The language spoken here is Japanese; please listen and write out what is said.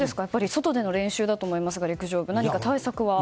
外での練習だと思いますが陸上部は何か対策は？